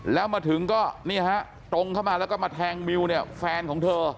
แล้วมาถึงก็นี่ฮะตรงเข้ามาแล้วก็มาแทงมิวเนี่ยแฟนของเธอ